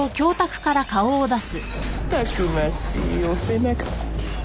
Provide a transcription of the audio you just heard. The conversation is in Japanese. たくましいお背中